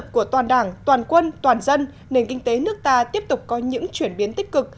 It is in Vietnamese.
của toàn đảng toàn quân toàn dân nền kinh tế nước ta tiếp tục có những chuyển biến tích cực